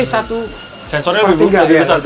sensornya lebih besar sih